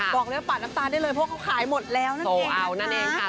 บอกเรียกบัตรน้ำตาลได้เลยเพราะเขาขายหมดแล้วนั่นเองนะครับ